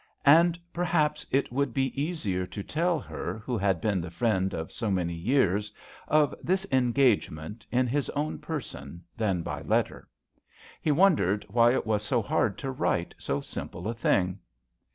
And : perhaps it would be easier to tell her who had been the friend of so many years of this engage ment in his own person than by letter. He wondered why it was so hard to write so simple a thing.